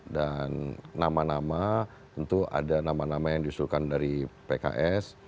dan nama nama tentu ada nama nama yang disuruhkan dari pks